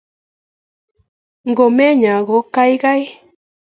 Komenya, kogaiga-a.